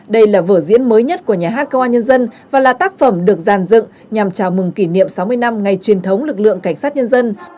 đây là vở diễn mới nhất của nhà hát công an nhân dân và là tác phẩm được giàn dựng nhằm chào mừng kỷ niệm sáu mươi năm ngày truyền thống lực lượng cảnh sát nhân dân